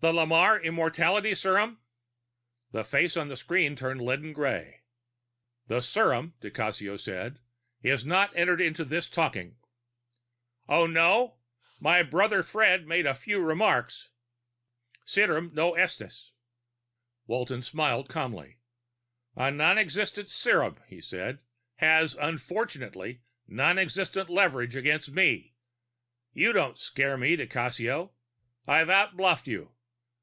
"The Lamarre immortality serum " The face on the screen turned a leaden gray. "The serum," di Cassio said, "is not entered into this talking." "Oh, no? My brother Fred made a few remarks " "Serum non esiste!" Walton smiled calmly. "A nonexistent serum," he said, "has, unfortunately, nonexistent leverage against me. You don't scare me, di Cassio. I've outbluffed you.